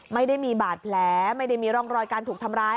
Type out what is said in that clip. ไม่ได้มีบาดแผลไม่ได้มีร่องรอยการถูกทำร้าย